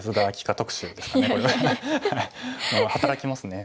働きますね。